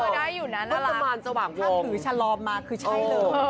ได้อยู่นะน่ารักผู้สมานสว่างวงถ้าถือชะลอมมาคือใช่เลย